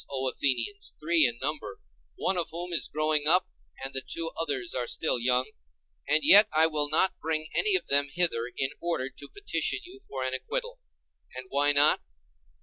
O Athenians, three in number, one of whom is growing up, and the two others are still young; and yet I will not bring any of them hither in order to petition you for an acquittal. And why not?